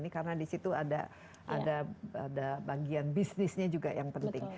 karena di situ ada bagian bisnisnya juga yang penting